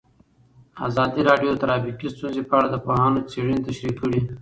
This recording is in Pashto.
ازادي راډیو د ټرافیکي ستونزې په اړه د پوهانو څېړنې تشریح کړې.